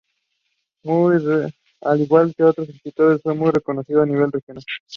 All songs were written in English.